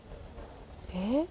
えっ？